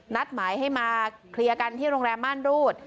นัดหมายให้มาเคลียร์กันที่โรงแรมม่านรูด